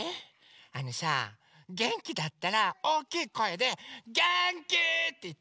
あのさげんきだったらおおきいこえで「げんき！」っていって。